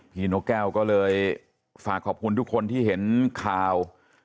นกแก้วก็เลยฝากขอบคุณทุกคนที่เห็นข่าว